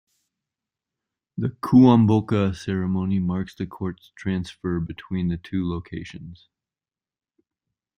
The Kuomboka ceremony marks the court's transfer between the two locations.